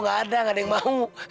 gak ada gak ada yang mau